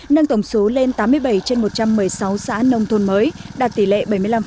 nâng tổng số lên tám mươi bảy trên một trăm một mươi sáu xã nông thôn mới đạt tỷ lệ bảy mươi năm